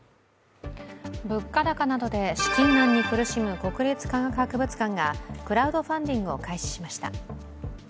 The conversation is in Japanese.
物価高などで資金難に苦しむ国立科学博物館がクラウドファンディングを開始しました。